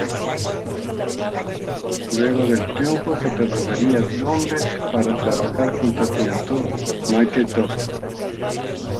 Luego del triunfo se trasladaría a Londres para trabajar junto al promotor Mickey Duff.